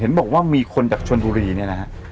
เห็นบอกว่ามีคนจากชนดุรีเนี่ยนะครับ